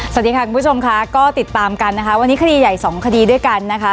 สวัสดีค่ะคุณผู้ชมค่ะก็ติดตามกันนะคะวันนี้คดีใหญ่สองคดีด้วยกันนะคะ